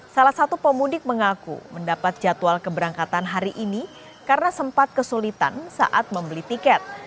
salah satu pemudik mengaku mendapat jadwal keberangkatan hari ini karena sempat kesulitan saat membeli tiket